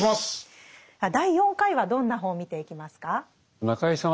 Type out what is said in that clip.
第４回はどんな本を見ていきますか？